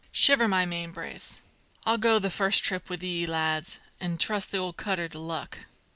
"Shiver my mainbrace! I'll go the first trip with ye, lads, an' trust the old cutter to luck."